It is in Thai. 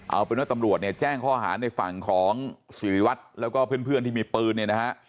เอาเป็นว่าตำรวจเนี่ยแจ้งข้อหาในฝั่งของสิริวัตรแล้วก็เพื่อนที่มีปืนเนี่ยนะฮะ